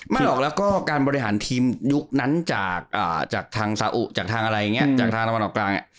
ไม่ออกแล้วก็การบริหารทีมยุคนั้นจากทางสาอุจากทางอะไรอย่างนี้จากทางตะวันออกกลางเนี่ย